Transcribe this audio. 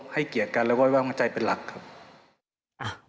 ให้เกียรติกันแล้วก็ว่างหัวใจเป็นหลักครับ